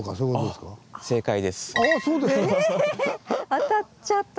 当たっちゃった。